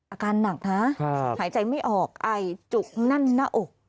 อาการหนักนะหายใจไม่ออกไอจุกแน่นหน้าอก